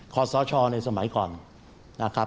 ขอสชในสมัยก่อนนะครับ